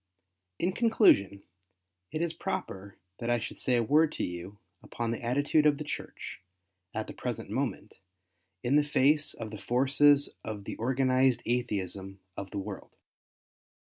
In conclusion, it is proper that I should say a word to you upon the attitude of the Church, at the pi'esent moment, in the face of the forces of the Organized Atheism of the world.